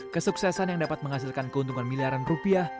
kesuksesan yang dapat menghasilkan keuntungan miliaran rupiah